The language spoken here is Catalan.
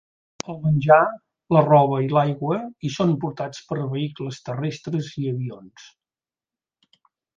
El menjar, la roba i l'aigua hi són portats per vehicles terrestres i avions.